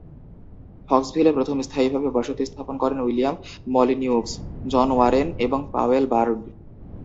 ফক্সভিলে প্রথম স্থায়ীভাবে বসতি স্থাপন করেন উইলিয়াম মলিনিউক্স, জন ওয়ারেন এবং পাওয়েল বার্ড।